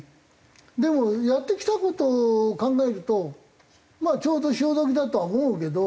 でもやってきた事を考えるとまあちょうど潮時だとは思うけど。